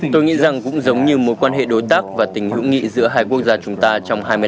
tôi nghĩ rằng cũng giống như một quan hệ đối tác và tình hữu nghị giữa hai quốc gia chúng ta trong hai mươi năm năm qua